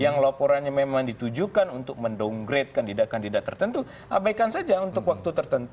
yang laporannya memang ditujukan untuk mendowngrade kandidat kandidat tertentu abaikan saja untuk waktu tertentu